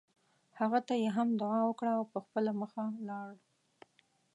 هغه ته یې هم دعا وکړه او په خپله مخه لاړ.